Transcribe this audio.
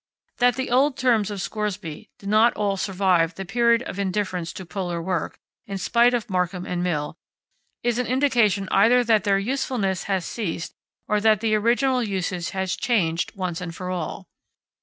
That the old terms of Scoresby did not all survive the period of indifference to Polar work, in spite of Markham and Mill, is an indication either that their usefulness has ceased or that the original usage has changed once and for all.